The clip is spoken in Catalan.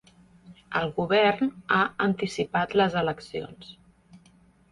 El govern ha anticipat les eleccions.